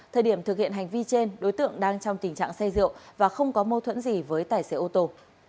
thời điểm thực hiện hành vi trên đối tượng đang trong tình trạng say rượu và không có mâu thuẫn gì với tài xế ô tô